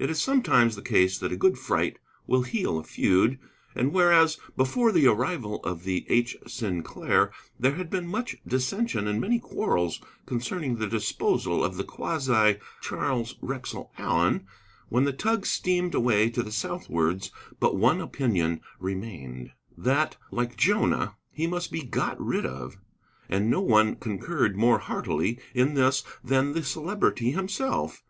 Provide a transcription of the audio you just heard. It is sometimes the case that a good fright will heal a feud. And whereas, before the arrival of the H. Sinclair, there had been much dissension and many quarrels concerning the disposal of the quasi Charles Wrexell Allen, when the tug steamed away to the southwards but one opinion remained, that, like Jonah, he must be got rid of. And no one concurred more heartily in this than the Celebrity himself.